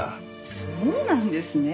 そうなんですね。